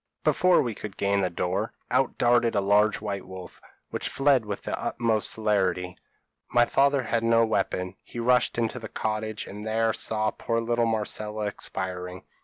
Before we could gain the door, out darted a large white wolf, which fled with the utmost celerity. My father had no weapon; he rushed into the cottage, and there saw poor little Marcella expiring.